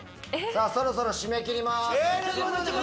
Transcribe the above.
そろそろ締め切ります。